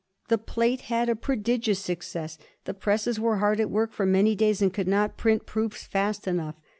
The plate had a prodigious success. The presses were hard at work for many days, and could not print proofs fast enough.